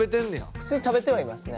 普通に食べてはいますね。